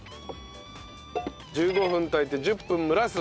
１５分炊いて１０分蒸らす。